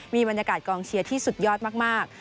มีบรรยากาศกองเชียร์ที่สุดยอดมาก